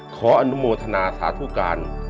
ขออนุโมทนาสาธุการ